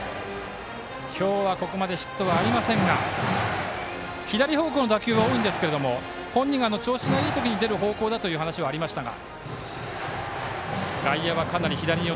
今日はここまでヒットはありませんが左方向の打球は多いんですけども本人が調子がいい時に出る方向だという話はありましたが。